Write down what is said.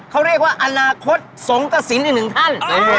เขาเรียกว่าอนาคตสงกระสินอีกหนึ่งท่าน